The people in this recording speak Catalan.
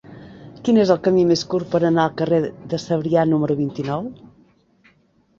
Quin és el camí més curt per anar al carrer de Sèrbia número vint-i-nou?